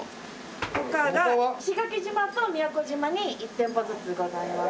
他が石垣島と宮古島に１店舗ずつございます。